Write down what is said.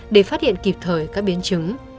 để phát hiện kịp thời các biến chứng